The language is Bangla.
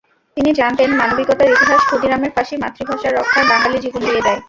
তিনি জানতেন, মানবিকতার ইতিহাস, ক্ষুদিরামের ফাঁসি, মাতৃভাষা রক্ষায় বাঙালি জীবন দিয়ে দেয়।